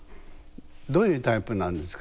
どういうタイプなんですか？